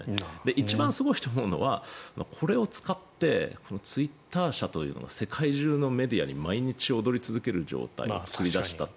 一番すごいと思うのはこれを使ってツイッター社というのが世界中のメディアに毎日、躍り続ける状態を作り出した。